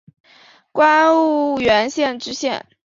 官婺源县知县。